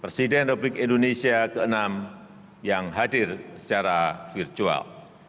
presiden republik indonesia ke enam yang hadir secara virtual